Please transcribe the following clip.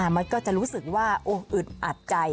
มันก็จะรู้สึกว่าองค์อึดอัดใจ